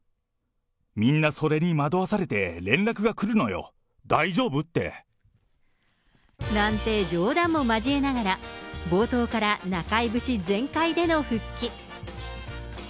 みんなそれに惑わされて、連絡がなんて冗談も交えながら、冒頭から中居節全開での復帰。